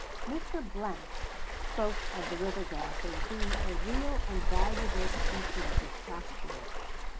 Mr. spoke of the river grass as being a real and valuable species of pasturage.